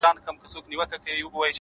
o ځوان له ډيري ژړا وروسته څخه ريږدي؛